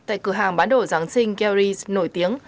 tại cửa hàng bán đồ giáng sinh gary s nổi tiếng